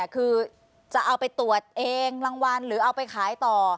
คือจะเอาไปตรวจเองรางวัลหรือเอาไปขายต่อ